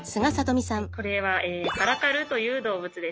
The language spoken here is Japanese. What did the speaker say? これはカラカルという動物です。